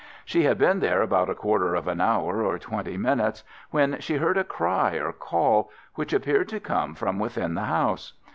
She had been there about a quarter of an hour or twenty minutes when she heard a cry or call, which appeared to come from within the house.